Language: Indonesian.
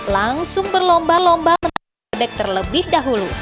langsung berlomba lomba menangkap bebek terlebih dahulu